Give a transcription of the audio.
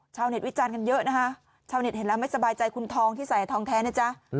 ชาวเน็ตวิจารณ์กันเยอะนะคะชาวเน็ตเห็นแล้วไม่สบายใจคุณทองที่ใส่ทองแท้นะจ๊ะ